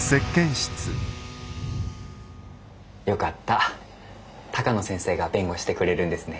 よかった鷹野先生が弁護してくれるんですね？